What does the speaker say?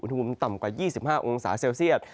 อุณหภูมิต่ำกว่า๒๕องศาเซลเซียต